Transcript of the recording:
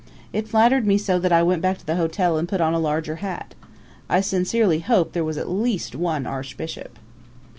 It flattered me so that I went back to the hotel and put on a larger hat. I sincerely hope there was at least one archbishop.